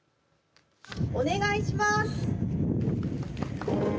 お願いします。